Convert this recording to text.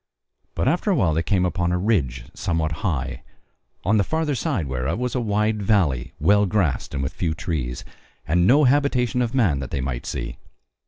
But after a while they came upon a ridge somewhat high, on the further side whereof was a wide valley well grassed and with few trees, and no habitation of man that they might see.